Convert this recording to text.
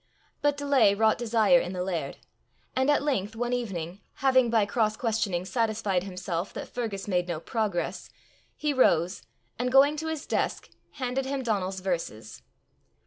But delay wrought desire in the laird; and at length, one evening, having by cross questioning satisfied himself that Fergus made no progress, he rose, and going to his desk, handed him Donal's verses.